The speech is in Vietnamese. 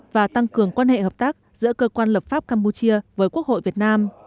và tăng cường quan hệ hợp tác giữa cơ quan lập pháp campuchia với quốc hội việt nam